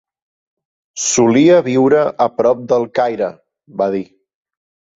"Solia viure a prop del Caire", va dir.